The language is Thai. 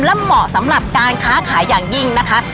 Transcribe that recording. และเหมาะสำหรับการค้าขายอย่างยิ่งนะคะ